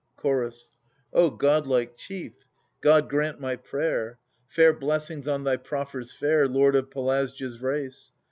> Chorus. O godlike chief, God grant my prayer : Fair blessings on thy proffers fair. Lord of Pelasgids race.